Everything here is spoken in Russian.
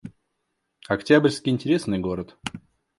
Октябрьский — интересный город